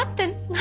何？